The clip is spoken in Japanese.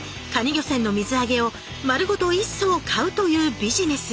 漁船の水揚げを丸ごと一艘買うというビジネス。